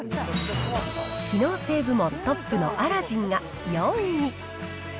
機能性部門トップのアラジンが４位。